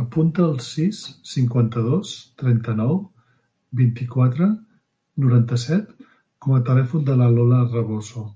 Apunta el sis, cinquanta-dos, trenta-nou, vint-i-quatre, noranta-set com a telèfon de la Lola Raboso.